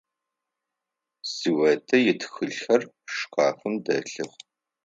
Светэ итхылъхэр шкафым дэлъых.